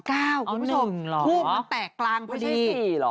อ๋อ๑หรอไม่ใช่๔หรอคุณผู้ชมพูดมันแตกกลางพอดี